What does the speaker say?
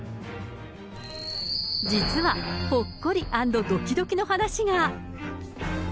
実はほっこり＆どきどきの話が。